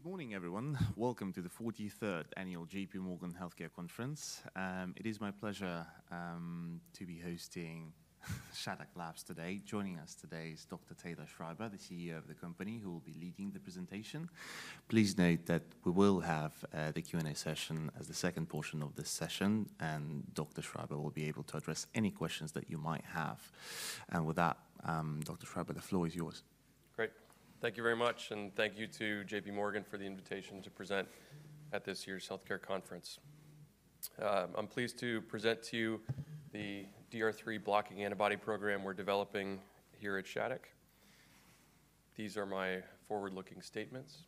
Good morning, everyone. Welcome to the 43rd Annual J.P. Morgan Healthcare Conference. It is my pleasure to be hosting Shattuck Labs today. Joining us today is Dr. Taylor Schreiber, the CEO of the company, who will be leading the presentation. Please note that we will have the Q&A session as the second portion of this session, and Dr. Schreiber will be able to address any questions that you might have. And with that, Dr. Schreiber, the floor is yours. Great. Thank you very much and thank you to J.P. Morgan for the invitation to present at this year's healthcare conference. I'm pleased to present to you the DR3 blocking antibody program we're developing here at Shattuck. These are my forward-looking statements.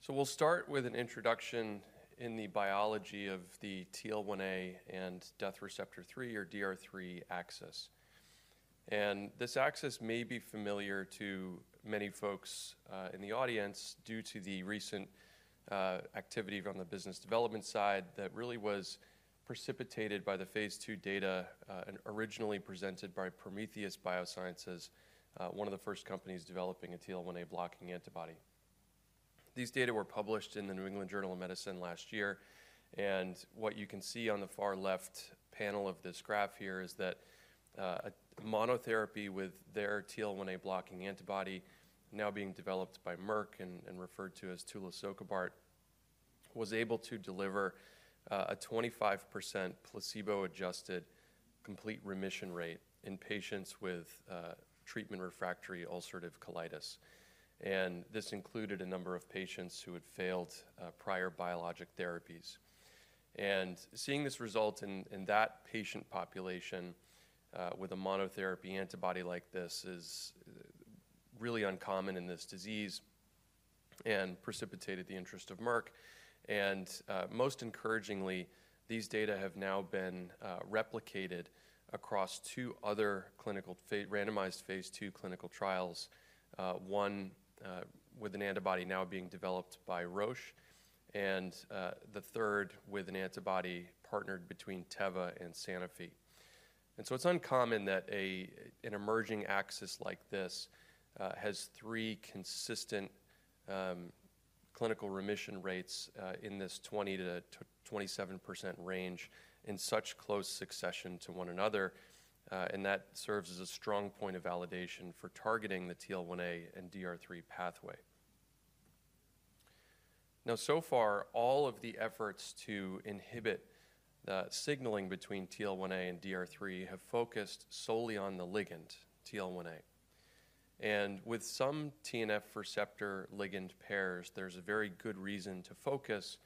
So, we'll start with an introduction in the biology of the TL1A and Death Receptor 3, or DR3, axis. And this axis may be familiar to many folks in the audience due to the recent activity from the business development side that really was precipitated by the phase II data originally presented by Prometheus Biosciences, one of the first companies developing a TL1A blocking antibody. These data were published in the New England Journal of Medicine last year, and what you can see on the far left panel of this graph here is that monotherapy with their TL1A blocking antibody, now being developed by Merck and referred to as tulisokibart, was able to deliver a 25% placebo-adjusted complete remission rate in patients with treatment refractory ulcerative colitis. And this included a number of patients who had failed prior biologic therapies. And seeing this result in that patient population with a monotherapy antibody like this is really uncommon in this disease and precipitated the interest of Merck, and most encouragingly, these data have now been replicated across two other randomized phase II clinical trials, one with an antibody now being developed by Roche, and the third with an antibody partnered between Teva and Sanofi. It's uncommon that an emerging axis like this has three consistent clinical remission rates in this 20%-27% range in such close succession to one another, and that serves as a strong point of validation for targeting the TL1A and DR3 pathway. Now, so far, all of the efforts to inhibit the signaling between TL1A and DR3 have focused solely on the ligand, TL1A. And with some TNF receptor ligand pairs, there's a very good reason to focus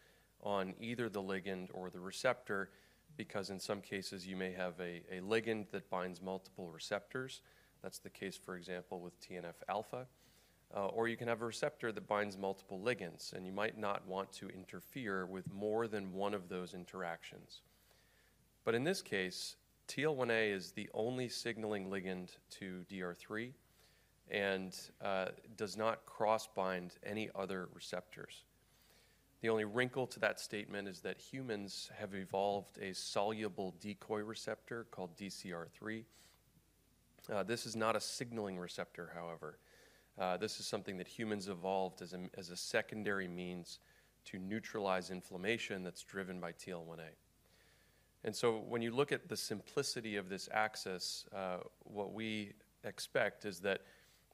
on either the ligand or the receptor, because in some cases you may have a ligand that binds multiple receptors. That's the case, for example, with TNF-alpha. Or you can have a receptor that binds multiple ligands, and you might not want to interfere with more than one of those interactions. In this case, TL1A is the only signaling ligand to DR3 and does not cross-bind any other receptors. The only wrinkle to that statement is that humans have evolved a soluble decoy receptor called DcR3. This is not a signaling receptor, however. This is something that humans evolved as a secondary means to neutralize inflammation that's driven by TL1A. And so, when you look at the simplicity of this axis, what we expect is that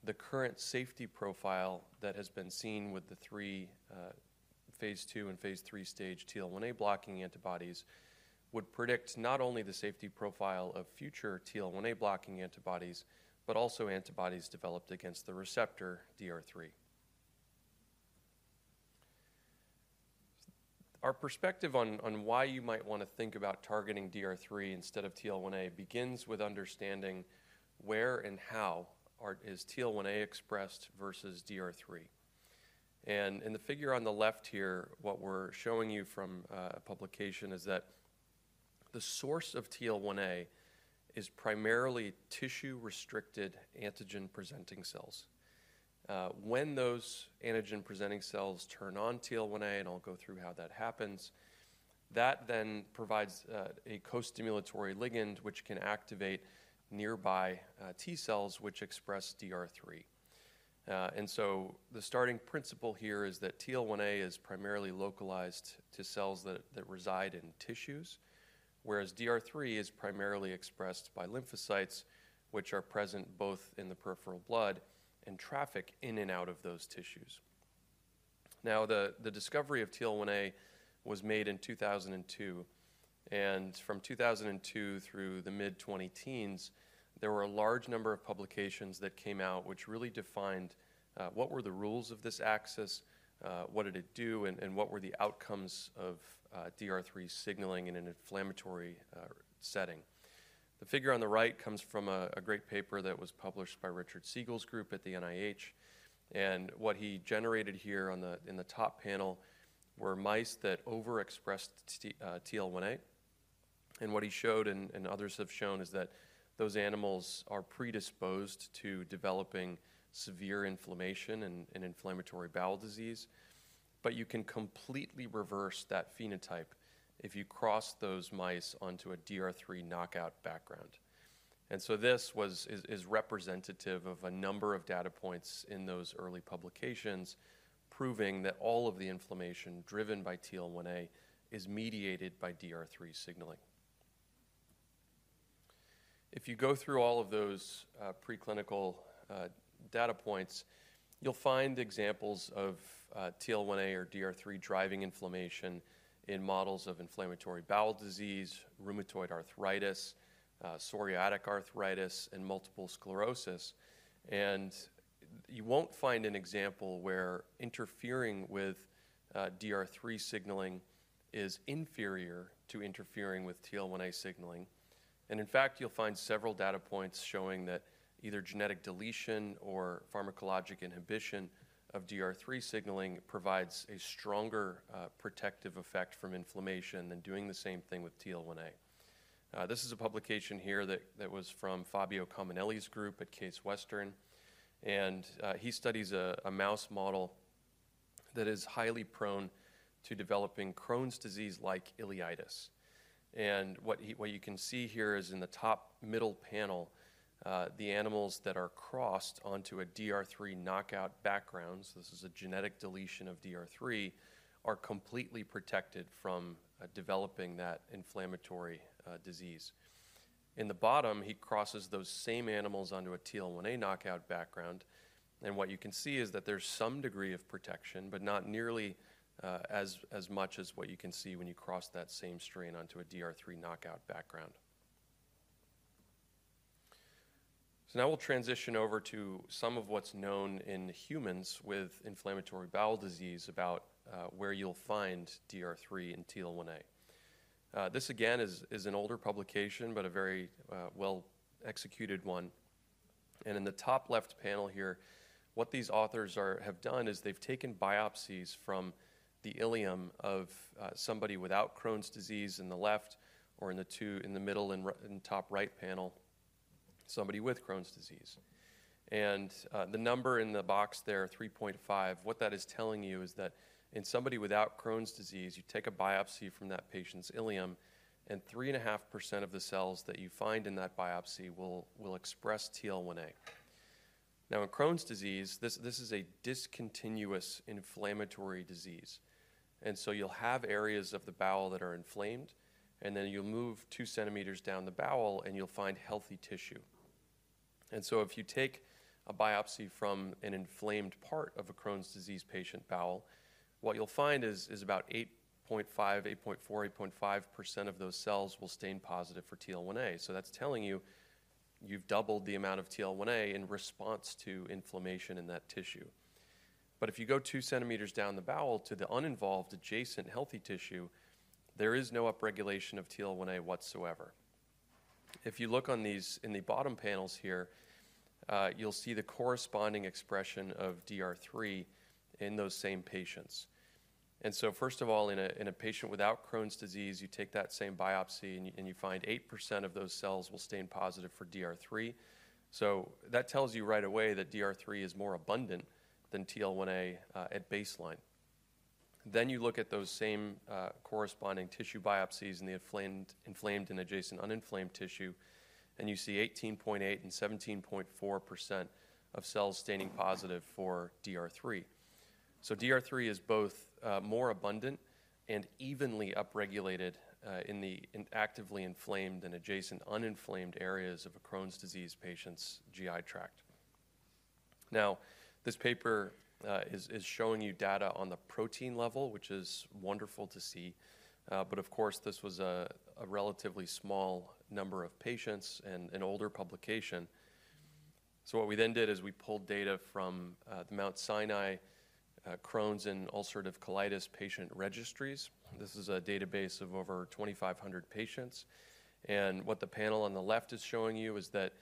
the current safety profile that has been seen with the three phase II and phase III stage TL1A blocking antibodies would predict not only the safety profile of future TL1A blocking antibodies, but also antibodies developed against the receptor DR3. Our perspective on why you might want to think about targeting DR3 instead of TL1A begins with understanding where and how is TL1A expressed versus DR3. And in the figure on the left here, what we're showing you from a publication is that the source of TL1A is primarily tissue-restricted antigen-presenting cells. When those antigen-presenting cells turn on TL1A, and I'll go through how that happens, that then provides a co-stimulatory ligand which can activate nearby T cells which express DR3. And so the starting principle here is that TL1A is primarily localized to cells that reside in tissues, whereas DR3 is primarily expressed by lymphocytes, which are present both in the peripheral blood and traffic in and out of those tissues. Now, the discovery of TL1A was made in 2002, and from 2002 through the mid-2010s, there were a large number of publications that came out which really defined what were the rules of this axis, what did it do, and what were the outcomes of DR3 signaling in an inflammatory setting. The figure on the right comes from a great paper that was published by Richard Siegel's group at the NIH, and what he generated here in the top panel were mice that overexpressed TL1A. And what he showed, and others have shown, is that those animals are predisposed to developing severe inflammation and inflammatory bowel disease, but you can completely reverse that phenotype if you cross those mice onto a DR3 knockout background. And so, this is representative of a number of data points in those early publications proving that all of the inflammation driven by TL1A is mediated by DR3 signaling. If you go through all of those preclinical data points, you'll find examples of TL1A or DR3 driving inflammation in models of inflammatory bowel disease, rheumatoid arthritis, psoriatic arthritis, and multiple sclerosis. You won't find an example where interfering with DR3 signaling is inferior to interfering with TL1A signaling. In fact, you'll find several data points showing that either genetic deletion or pharmacologic inhibition of DR3 signaling provides a stronger protective effect from inflammation than doing the same thing with TL1A. This is a publication here that was from Fabio Cominelli's group at Case Western, and he studies a mouse model that is highly prone to developing Crohn's disease-like ileitis. What you can see here is in the top middle panel, the animals that are crossed onto a DR3 knockout background, so this is a genetic deletion of DR3, are completely protected from developing that inflammatory disease. In the bottom, he crosses those same animals onto a TL1A knockout background, and what you can see is that there's some degree of protection, but not nearly as much as what you can see when you cross that same strain onto a DR3 knockout background. So, now we'll transition over to some of what's known in humans with inflammatory bowel disease about where you'll find DR3 and TL1A. This, again, is an older publication, but a very well-executed one. And in the top left panel here, what these authors have done is they've taken biopsies from the ileum of somebody without Crohn's disease in the left or in the middle and top right panel, somebody with Crohn's disease. And the number in the box there, 3.5%, what that is telling you is that in somebody without Crohn's disease, you take a biopsy from that patient's ileum, and 3.5% of the cells that you find in that biopsy will express TL1A. Now, in Crohn's disease, this is a discontinuous inflammatory disease. And so, you'll have areas of the bowel that are inflamed, and then you'll move 2 cm down the bowel, and you'll find healthy tissue. And so, if you take a biopsy from an inflamed part of a Crohn's disease patient bowel, what you'll find is about 8.5%, 8.4%, 8.5% of those cells will stain positive for TL1A. So that's telling you you've doubled the amount of TL1A in response to inflammation in that tissue. But if you go 2 cm down the bowel to the uninvolved adjacent healthy tissue, there is no upregulation of TL1A whatsoever. If you look in the bottom panels here, you'll see the corresponding expression of DR3 in those same patients, and so first of all, in a patient without Crohn's disease, you take that same biopsy and you find 8% of those cells will stain positive for DR3, so that tells you right away that DR3 is more abundant than TL1A at baseline. Then you look at those same corresponding tissue biopsies in the inflamed and adjacent uninflamed tissue, and you see 18.8% and 17.4% of cells staining positive for DR3, so DR3 is both more abundant and evenly upregulated in the actively inflamed and adjacent uninflamed areas of a Crohn's disease patient's GI tract. Now, this paper is showing you data on the protein level, which is wonderful to see, but of course, this was a relatively small number of patients and an older publication. So, what we then did is we pulled data from the Mount Sinai Crohn's and ulcerative colitis patient registries. This is a database of over 2,500 patients. And what the panel on the left is showing you is that,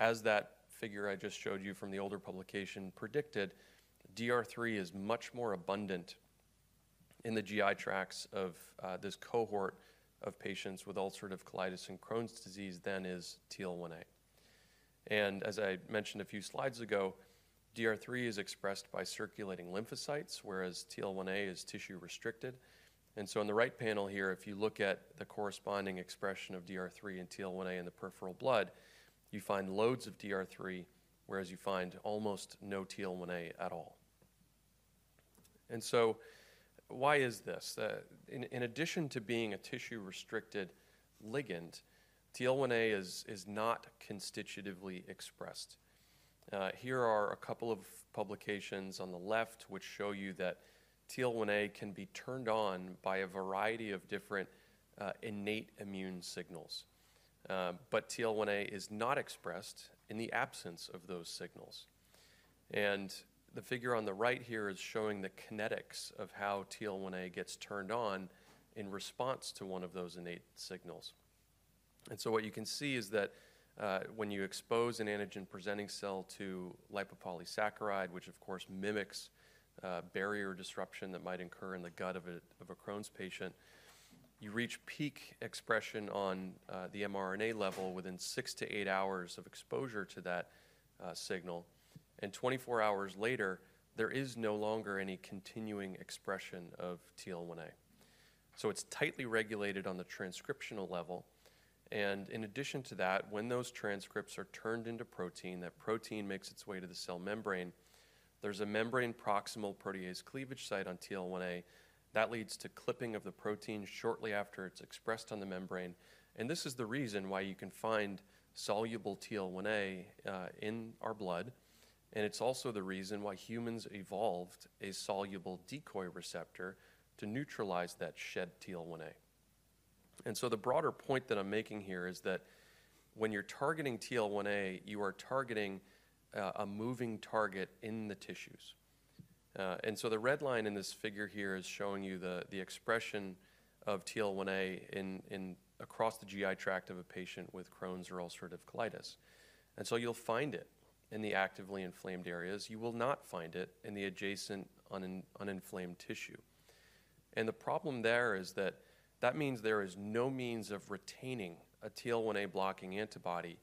as that figure I just showed you from the older publication predicted, DR3 is much more abundant in the GI tracts of this cohort of patients with ulcerative colitis and Crohn's disease than is TL1A. And as I mentioned a few slides ago, DR3 is expressed by circulating lymphocytes, whereas TL1A is tissue-restricted. And so, on the right panel here, if you look at the corresponding expression of DR3 and TL1A in the peripheral blood, you find loads of DR3, whereas you find almost no TL1A at all. And so, why is this? In addition to being a tissue-restricted ligand, TL1A is not constitutively expressed. Here are a couple of publications on the left which show you that TL1A can be turned on by a variety of different innate immune signals, but TL1A is not expressed in the absence of those signals. The figure on the right here is showing the kinetics of how TL1A gets turned on in response to one of those innate signals. What you can see is that when you expose an antigen-presenting cell to lipopolysaccharide, which of course mimics barrier disruption that might occur in the gut of a Crohn's patient, you reach peak expression on the mRNA level within six to eight hours of exposure to that signal. 24 hours later, there is no longer any continuing expression of TL1A. It's tightly regulated on the transcriptional level. In addition to that, when those transcripts are turned into protein, that protein makes its way to the cell membrane. There's a membrane proximal protease cleavage site on TL1A that leads to clipping of the protein shortly after it's expressed on the membrane. This is the reason why you can find soluble TL1A in our blood, and it's also the reason why humans evolved a soluble decoy receptor to neutralize that shed TL1A. The broader point that I'm making here is that when you're targeting TL1A, you are targeting a moving target in the tissues. The red line in this figure here is showing you the expression of TL1A across the GI tract of a patient with Crohn's or ulcerative colitis. You'll find it in the actively inflamed areas. You will not find it in the adjacent uninflamed tissue. The problem there is that that means there is no means of retaining a TL1A blocking antibody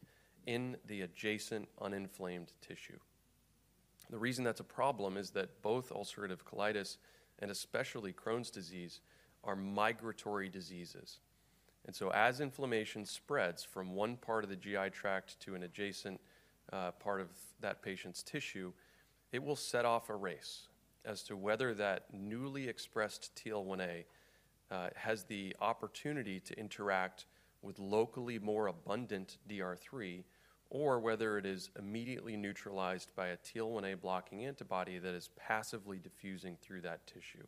in the adjacent uninflamed tissue. The reason that's a problem is that both ulcerative colitis and especially Crohn's disease are migratory diseases. So, as inflammation spreads from one part of the GI tract to an adjacent part of that patient's tissue, it will set off a race as to whether that newly expressed TL1A has the opportunity to interact with locally more abundant DR3, or whether it is immediately neutralized by a TL1A blocking antibody that is passively diffusing through that tissue.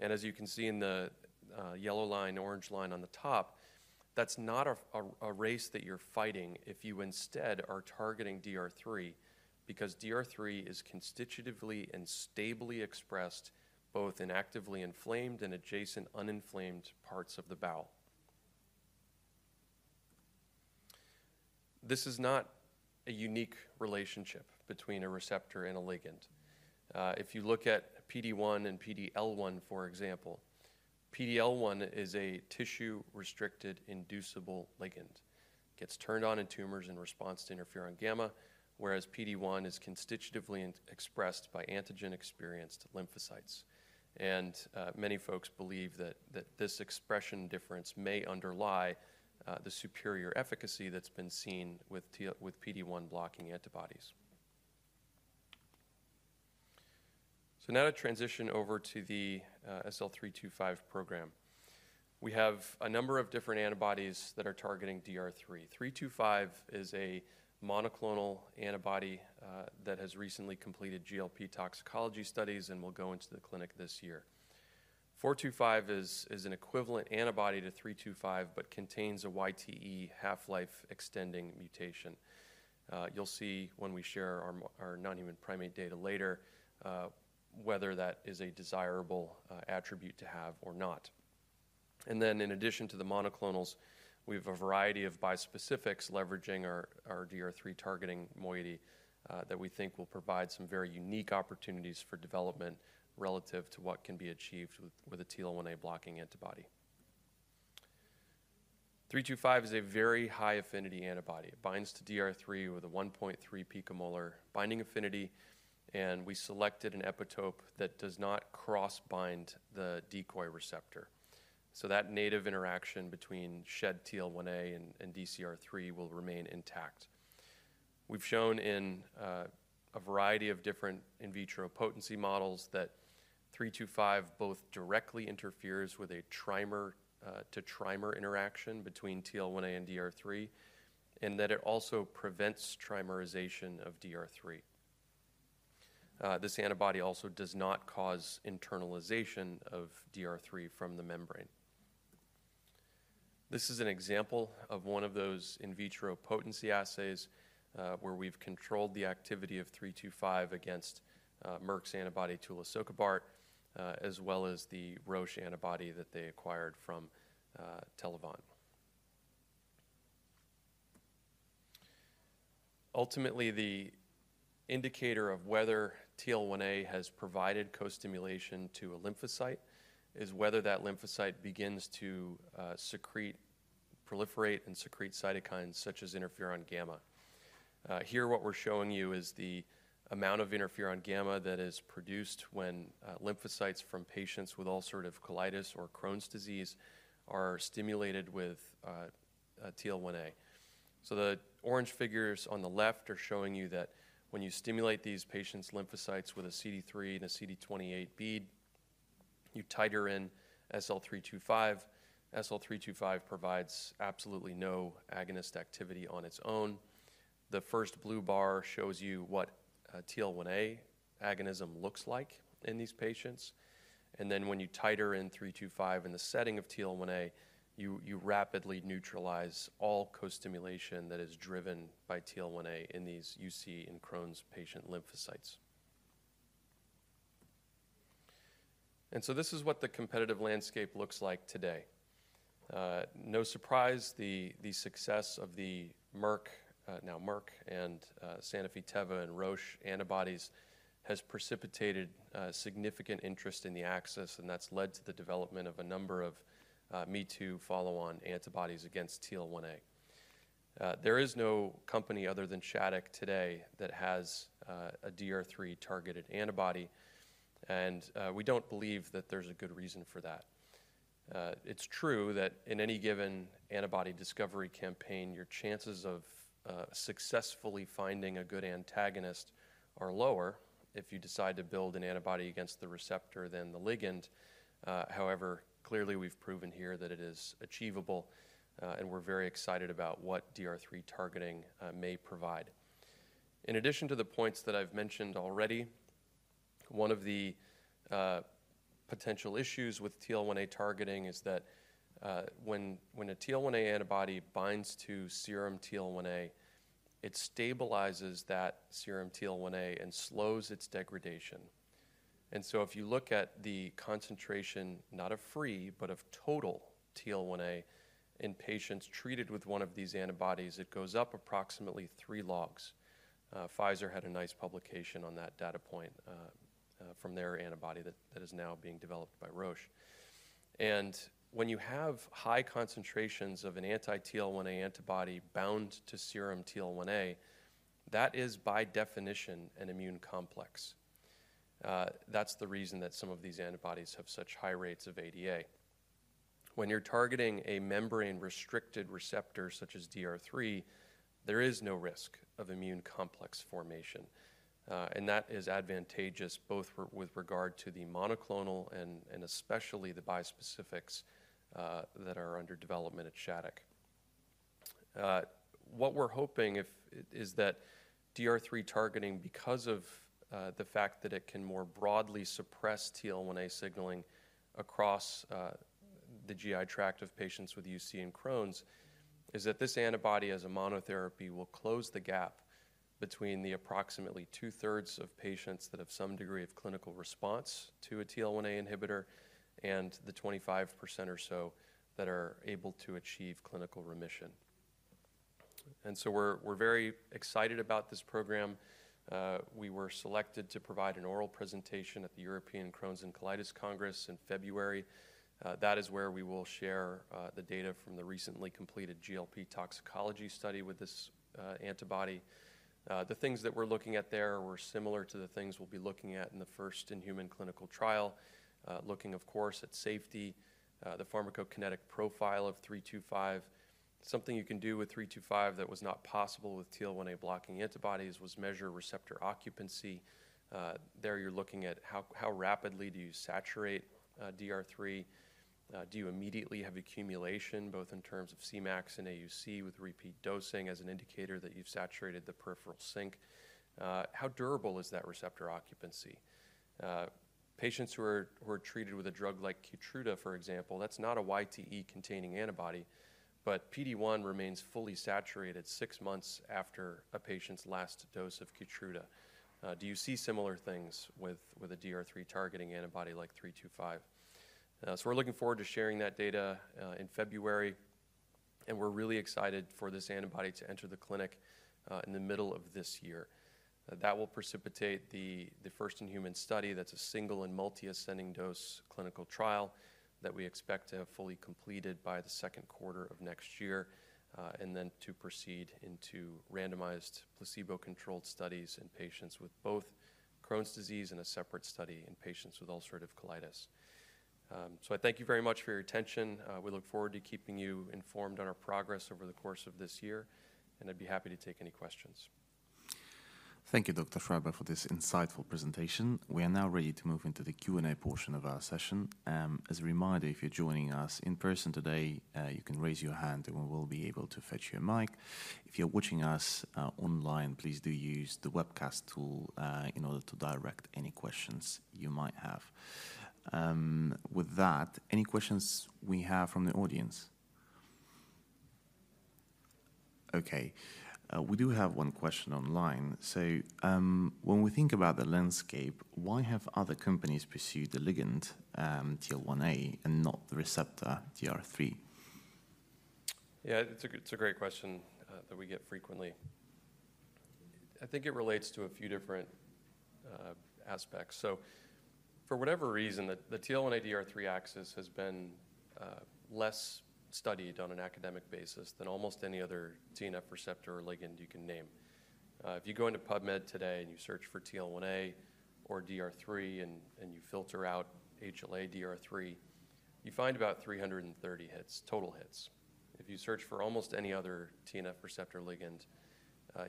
As you can see in the yellow line, orange line on the top, that's not a race that you're fighting if you instead are targeting DR3, because DR3 is constitutively and stably expressed both in actively inflamed and adjacent uninflamed parts of the bowel. This is not a unique relationship between a receptor and a ligand. If you look at PD-1 and PD-L1, for example, PD-L1 is a tissue-restricted inducible ligand. It gets turned on in tumors in response to interferon gamma, whereas PD-1 is constitutively expressed by antigen-experienced lymphocytes, and many folks believe that this expression difference may underlie the superior efficacy that's been seen with PD-1 blocking antibodies. So, now to transition over to the SL-325 program. We have a number of different antibodies that are targeting DR3. 325 is a monoclonal antibody that has recently completed GLP toxicology studies and will go into the clinic this year. 425 is an equivalent antibody to 325 but contains a YTE half-life extending mutation. You'll see when we share our nonhuman primate data later whether that is a desirable attribute to have or not. In addition to the monoclonals, we have a variety of bispecifics leveraging our DR3 targeting moiety that we think will provide some very unique opportunities for development relative to what can be achieved with a TL1A blocking antibody. 325 is a very high affinity antibody. It binds to DR3 with a 1.3 pM binding affinity, and we selected an epitope that does not cross-bind the decoy receptor. So, that native interaction between shed TL1A and DcR3 will remain intact. We have shown in a variety of different in vitro potency models that 325 both directly interferes with a trimer-to-trimer interaction between TL1A and DR3, and that it also prevents trimerization of DR3. This antibody also does not cause internalization of DR3 from the membrane. This is an example of one of those in vitro potency assays where we've controlled the activity of SL-325 against Merck's antibody tulisokibart as well as the Roche antibody that they acquired from Telavant. Ultimately, the indicator of whether TL1A has provided co-stimulation to a lymphocyte is whether that lymphocyte begins to proliferate and secrete cytokines such as interferon gamma. Here, what we're showing you is the amount of interferon gamma that is produced when lymphocytes from patients with ulcerative colitis or Crohn's disease are stimulated with TL1A. So, the orange figures on the left are showing you that when you stimulate these patients' lymphocytes with a CD3 and a CD28 bead, you titrate in SL-325. SL-325 provides absolutely no agonist activity on its own. The first blue bar shows you what TL1A agonism looks like in these patients. When you titer in SL-325 in the setting of TL1A, you rapidly neutralize all co-stimulation that is driven by TL1A in these UC and Crohn's patient lymphocytes. This is what the competitive landscape looks like today. No surprise, the success of the Merck and Sanofi, Teva, and Roche antibodies has precipitated significant interest in the axis, and that's led to the development of a number of me-too follow-on antibodies against TL1A. There is no company other than Shattuck today that has a DR3 targeted antibody, and we don't believe that there's a good reason for that. It's true that in any given antibody discovery campaign, your chances of successfully finding a good antagonist are lower if you decide to build an antibody against the receptor than the ligand. However, clearly we've proven here that it is achievable, and we're very excited about what DR3 targeting may provide. In addition to the points that I've mentioned already, one of the potential issues with TL1A targeting is that when a TL1A antibody binds to serum TL1A, it stabilizes that serum TL1A and slows its degradation. And so, if you look at the concentration, not of free, but of total TL1A in patients treated with one of these antibodies, it goes up approximately three logs. Pfizer had a nice publication on that data point from their antibody that is now being developed by Roche. And when you have high concentrations of an anti-TL1A antibody bound to serum TL1A, that is by definition an immune complex. That's the reason that some of these antibodies have such high rates of ADA. When you're targeting a membrane-restricted receptor such as DR3, there is no risk of immune complex formation, and that is advantageous both with regard to the monoclonal and especially the bispecifics that are under development at Shattuck. What we're hoping is that DR3 targeting, because of the fact that it can more broadly suppress TL1A signaling across the GI tract of patients with UC and Crohn's, is that this antibody as a monotherapy will close the gap between the approximately 2/3 of patients that have some degree of clinical response to a TL1A inhibitor and the 25% or so that are able to achieve clinical remission, and so we're very excited about this program. We were selected to provide an oral presentation at the European Crohn's and Colitis Congress in February. That is where we will share the data from the recently completed GLP toxicology study with this antibody. The things that we're looking at there were similar to the things we'll be looking at in the first in-human clinical trial, looking, of course, at safety, the pharmacokinetic profile of 325. Something you can do with 325 that was not possible with TL1A blocking antibodies was measure receptor occupancy. There you're looking at how rapidly do you saturate DR3? Do you immediately have accumulation, both in terms of Cmax and AUC with repeat dosing as an indicator that you've saturated the peripheral sink? How durable is that receptor occupancy? Patients who are treated with a drug like Keytruda, for example, that's not a YTE-containing antibody, but PD1 remains fully saturated six months after a patient's last dose of Keytruda. Do you see similar things with a DR3 targeting antibody like 325? We're looking forward to sharing that data in February, and we're really excited for this antibody to enter the clinic in the middle of this year. That will precipitate the first-in-human study that's a single and multi-ascending dose clinical trial that we expect to have fully completed by the second quarter of next year. And then to proceed into randomized placebo-controlled studies in patients with both Crohn's disease and a separate study in patients with ulcerative colitis. So, I thank you very much for your attention. We look forward to keeping you informed on our progress over the course of this year, and I'd be happy to take any questions. Thank you, Dr. Schreiber, for this insightful presentation. We are now ready to move into the Q&A portion of our session. As a reminder, if you're joining us in person today, you can raise your hand, and we will be able to fetch your mic. If you're watching us online, please do use the webcast tool in order to direct any questions you might have. With that, any questions we have from the audience? Okay. We do have one question online. So, when we think about the landscape, why have other companies pursued the ligand TL1A and not the receptor DR3? Yeah, it's a great question that we get frequently. I think it relates to a few different aspects. So, for whatever reason, the TL1A-DR3 axis has been less studied on an academic basis than almost any other TNF receptor or ligand you can name. If you go into PubMed today and you search for TL1A or DR3 and you filter out HLA-DR3, you find about 330 total hits. If you search for almost any other TNF receptor ligand,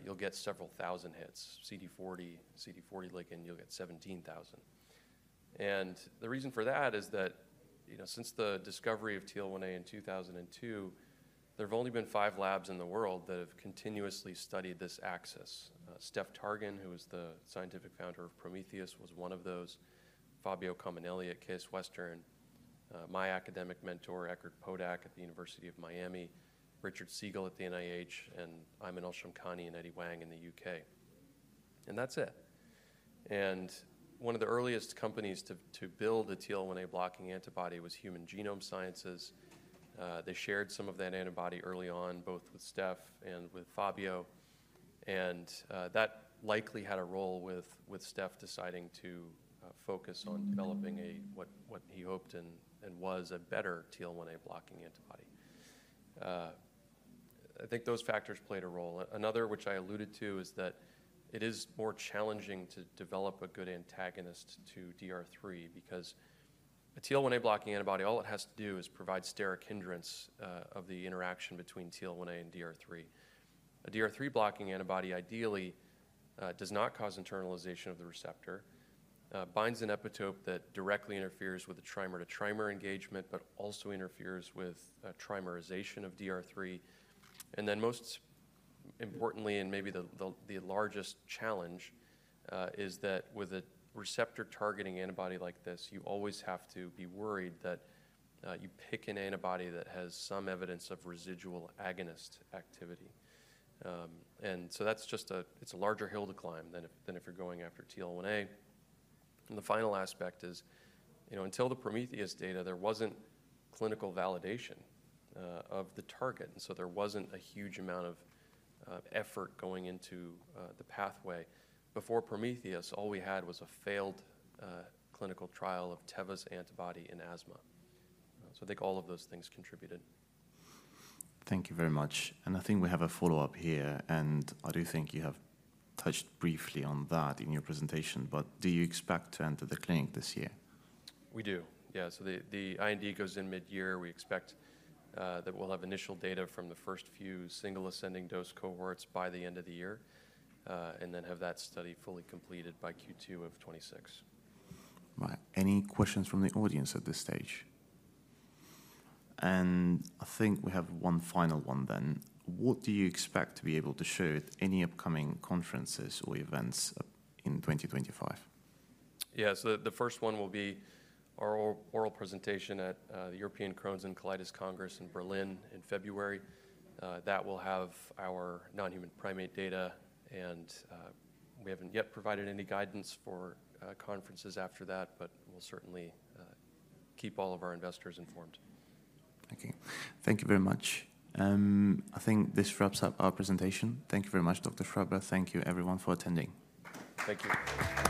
you'll get several thousand hits. CD40, CD40 ligand, you'll get 17,000. And the reason for that is that since the discovery of TL1A in 2002, there have only been five labs in the world that have continuously studied this axis. Steph Targan, who was the scientific founder of Prometheus, was one of those. Fabio Cominelli at Case Western. My academic mentor, Eckhard Podack at the University of Miami, Richard Siegel at the NIH, and Aymen Al-Shamkhani and Eddie Wang in the U.K. And that's it. And one of the earliest companies to build a TL1A blocking antibody was Human Genome Sciences. They shared some of that antibody early on, both with Steph and with Fabio, and that likely had a role with Steph deciding to focus on developing what he hoped and was a better TL1A blocking antibody. I think those factors played a role. Another, which I alluded to, is that it is more challenging to develop a good antagonist to DR3 because a TL1A blocking antibody, all it has to do is provide steric hindrance of the interaction between TL1A and DR3. A DR3 blocking antibody ideally does not cause internalization of the receptor, binds an epitope that directly interferes with the trimer-to-trimer engagement, but also interferes with trimerization of DR3, and then most importantly, and maybe the largest challenge, is that with a receptor-targeting antibody like this, you always have to be worried that you pick an antibody that has some evidence of residual agonist activity. And so, that's just a larger hill to climb than if you're going after TL1A. And the final aspect is, until the Prometheus data, there wasn't clinical validation of the target, and so there wasn't a huge amount of effort going into the pathway. Before Prometheus, all we had was a failed clinical trial of Teva's antibody in asthma. So, I think all of those things contributed. Thank you very much. And I think we have a follow-up here, and I do think you have touched briefly on that in your presentation, but do you expect to enter the clinic this year? We do, yeah. So, the IND goes in mid-year. We expect that we'll have initial data from the first few single-ascending dose cohorts by the end of the year and then have that study fully completed by Q2 of 2026. Right. Any questions from the audience at this stage? And I think we have one final one then. What do you expect to be able to show at any upcoming conferences or events in 2025? Yeah, so the first one will be our oral presentation at the European Crohn's and Colitis Congress in Berlin in February. That will have our non-human primate data, and we haven't yet provided any guidance for conferences after that, but we'll certainly keep all of our investors informed. Okay. Thank you very much. I think this wraps up our presentation. Thank you very much, Dr. Schreiber. Thank you, everyone, for attending. Thank you.